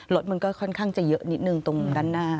รถมันก็ค่อนข้างจะเยอะนิดนึงตรงด้านหน้า